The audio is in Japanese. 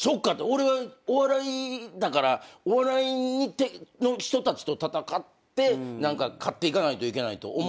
俺はお笑いだからお笑いの人たちと戦って勝っていかないといけないと思ってたからね。